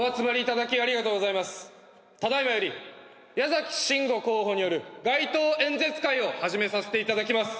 ただいまより矢崎しんご候補による街頭演説会を始めさせていただきます。